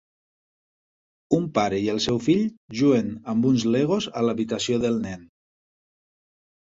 Un pare i el seu fill juguen amb uns Legos a l'habitació del nen.